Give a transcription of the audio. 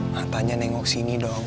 matanya nengok sini dong